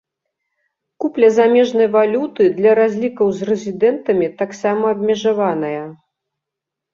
Купля замежнай валюты для разлікаў з рэзідэнтамі таксама абмежаваная.